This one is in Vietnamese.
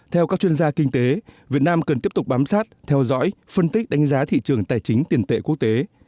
theo các chuyên gia kinh tế việt nam cần tiếp tục bám sát theo dõi phân tích đánh giá thị trường tài chính tiền tệ quốc tế